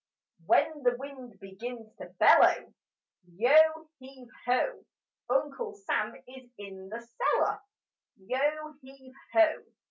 When the wind begins to bellow, Yo heave ho! Uncle Sam is in the cellar: Yo heave ho!